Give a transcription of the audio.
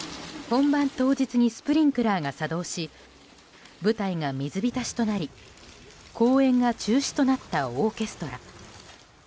本番当日にスプリンクラーが作動し舞台が水浸しとなり公演が中止となったオーケストラ。